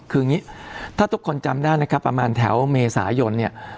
คืออย่างนี้ถ้าทุกคนจำได้นะครับประมาณแถวเมษายนเนี่ย